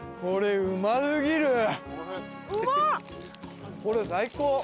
これ最高！